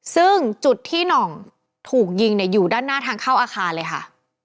ซึ่งจุดที่หน่องถูกยิงเนี่ยอยู่ด้านหน้าทางเข้าอาคารเลยค่ะ